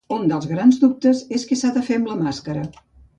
Un dels grans dubtes és què s’ha de fer amb la màscara.